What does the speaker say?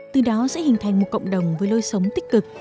từ đó sẽ hình thành một cộng đồng với lối sống tích cực